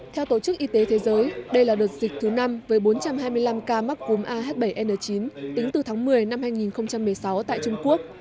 theo tổ chức y tế thế giới đây là đợt dịch thứ năm với bốn trăm hai mươi năm ca mắc cúm ah bảy n chín tính từ tháng một mươi năm hai nghìn một mươi sáu tại trung quốc